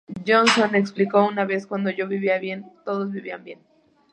Johnson explicó una vez: "cuando yo vivía bien, todos vivían bien".